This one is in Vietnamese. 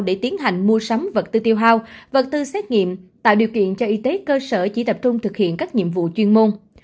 để tiến hành mua sắm vật tư tiêu hao vật tư xét nghiệm tạo điều kiện cho y tế cơ sở chỉ tập trung thực hiện các nhiệm vụ chuyên môn